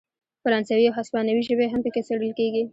فرانسوي او هسپانوي ژبې هم پکې څیړل کیږي.